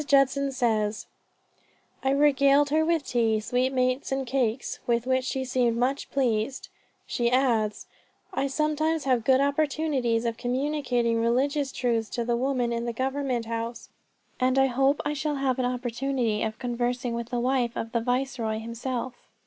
Judson says, "I regaled her with tea, sweetmeats, and cakes, with which she seemed much pleased." She adds, "I sometimes have good opportunities of communicating religious truths to the women in the government house, and hope I shall have an opportunity of conversing with the wife of the Viceroy herself."